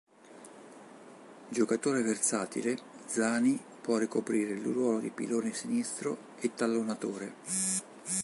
Giocatore versatile, Zani può ricoprire il ruolo di pilone sinistro e tallonatore.